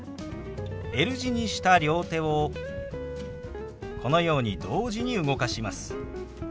Ｌ字にした両手をこのように同時に動かします。